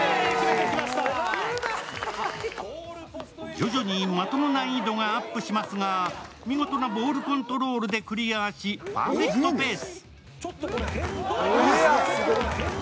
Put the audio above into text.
徐々に的の難易度がアップしますが、見事なボールコントロールでクリアしパーフェクトペース。